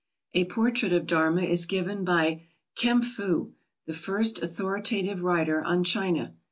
A portrait of Darma is given by Kæmpfu, the first authoritative writer on China.